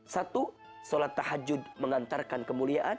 satu sholat tahajud mengantarkan kemuliaan